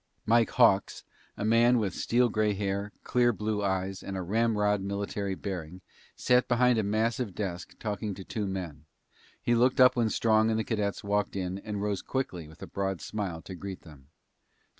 Mike Hawks, a man with steel gray hair, clear blue eyes, and a ramrod military bearing, sat behind a massive desk talking to two men. He looked up when Strong and the cadets walked in and rose quickly with a broad smile to greet them.